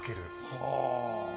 はあ。